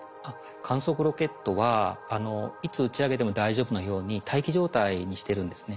観測ロケットはいつ打ち上げても大丈夫なように待機状態にしてるんですね。